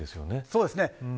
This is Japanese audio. そうですね。